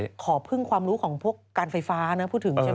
พูดถึงก็ต้องขอเพิ่งความรู้ของพวกการไฟฟ้านะพูดถึงใช่ไหม